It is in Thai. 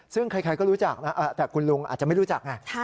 ซึ่งใครก็รู้จักนะแต่คุณลุงอาจจะไม่รู้จักไง